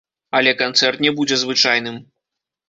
Але канцэрт не будзе звычайным.